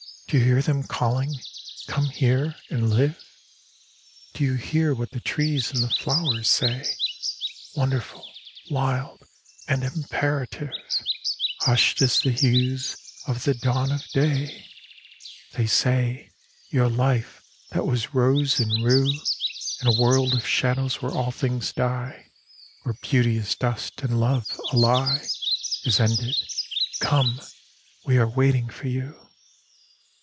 Do you hear them calling, 'Come here and live'? Do you hear what the trees and the flowers say, Wonderful, wild, and imperative, Hushed as the hues of the dawn of day? They say, 'Your life, that was rose and rue, In a world of shadows where all things die, Where beauty is dust, and love, a lie, Is ended. Come! we are waiting for you.